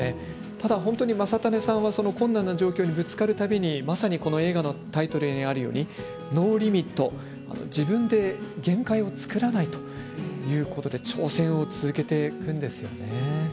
ただ本当に将胤さんは困難な状況にぶつかる度にまさに、この映画のタイトルどおりノーリミット、自分で限界を作らないということで挑戦を続けていくんですよね。